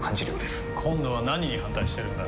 今度は何に反対してるんだ？